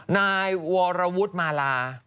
นายวรวุฒิมาลา